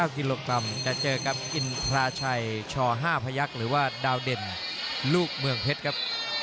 ๙กิโลกรัมแต่เจอกับอินทราชัยช๕พยักษ์หรือว่าดาวเด่นลูกเมืองเพชรครับ